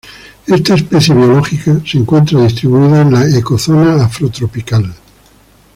Esta especie biológica, se encuentran distribuidas en la Ecozona afrotropical.